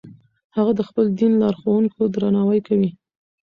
هغه د خپل دین لارښوونکو درناوی کوي.